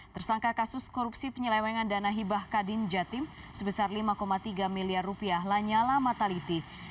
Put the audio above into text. tersangka kasus korupsi penyelewengan dana hibah kadin jatim sebesar lima tiga miliar rupiah lanyala mataliti